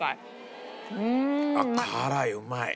あっ辛いうまい。